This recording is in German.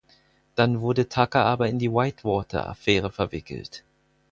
Dann wurde Tucker aber in die Whitewater-Affäre verwickelt.